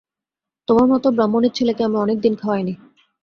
তেমার মতো ব্রাহ্মণের ছেলেকে আমি অনেক দিন খাওয়াই নি।